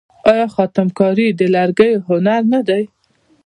آیا خاتم کاري د لرګیو هنر نه دی؟